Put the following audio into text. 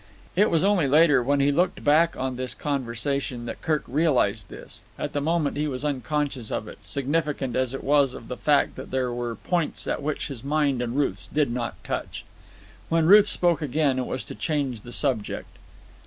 It was only later, when he looked back on this conversation, that Kirk realized this. At the moment he was unconscious of it, significant as it was of the fact that there were points at which his mind and Ruth's did not touch. When Ruth spoke again it was to change the subject.